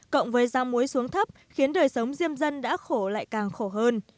cộng với da muối xuống thấp khiến đời sống diêm dân đã khổ lại càng khổ hơn